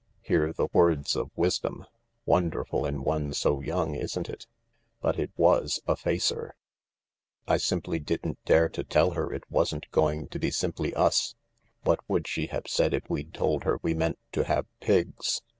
" Hear the words of wisdom — wonderful in one so young, isn't it ? But it was a facer ! THE LARK 177 I simply didn't dare to tell her it wasn't going to be simply us. What would she have said if we'd told her we meant to have Pigs?